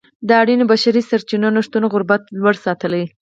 د اړینو بشري سرچینو نشتون غربت لوړ ساتلی.